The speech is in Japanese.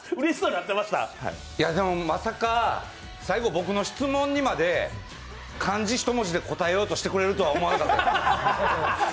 まさか最後、僕の質問にまで漢字１文字で答えてくれるとは思ってなかったです。